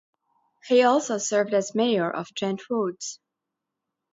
He also served as mayor of Trent Woods.